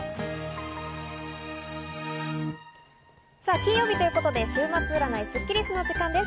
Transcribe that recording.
金曜日ということで週末占いスッキりすの時間です。